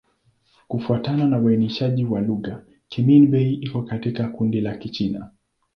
Kufuatana na uainishaji wa lugha, Kimin-Bei iko katika kundi la Kichina.